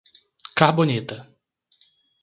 Carbonita